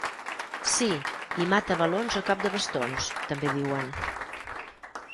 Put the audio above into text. Sí, i mata valons a cop de bastons, també diuen.